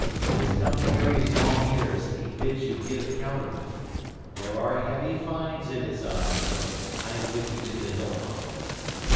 It has come to Harry's long ears, and he bids you give account of it. There are heavy fines in his eye, but I am with you to the hilt, Uncle!"